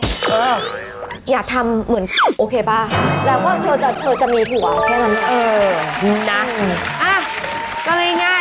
เอออย่าทำเหมือนโอเคป่ะแล้วก็เธอจะเธอจะมีผลเออนั่นอ่ะก็ง่ายง่าย